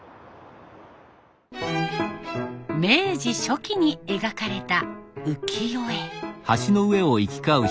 明治初期に描かれた浮世絵。